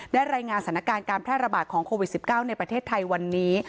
รายงานสถานการณ์การแพร่ระบาดของโควิด๑๙ในประเทศไทยวันนี้